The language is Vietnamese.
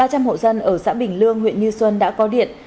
ba trăm linh hộ dân ở xã bình lương huyện như xuân đã có điện